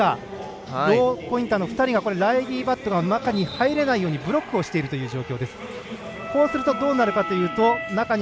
両ポインターの２人がライリー・バットが中に入れないようにブロックをしているという状況。